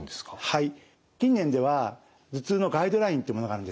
はい。